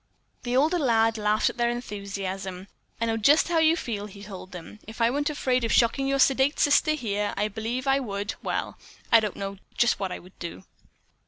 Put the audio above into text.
The older lad laughed at their enthusiasm. "I know just how you feel," he told them. "If I weren't afraid of shocking your sedate sister here, I believe I would well I don't know just what I would do."